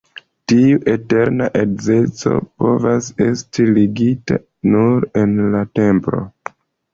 Tiu eterna edzeco povas esti ligita nur en la templo.